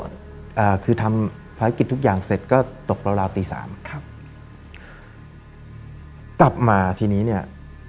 อ่าคือทำภารกิจทุกอย่างเสร็จก็ตกราวราวตีสามครับกลับมาทีนี้เนี้ย